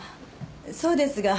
そうですが何か？